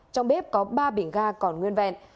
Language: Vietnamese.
trong bếp có ba bỉnh ga còn nguyên vẹn